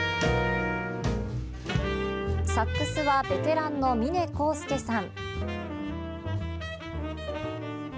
サックスはベテランの峰厚介さん。